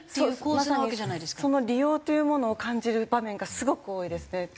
まさにその利用というものを感じる場面がすごく多いですね。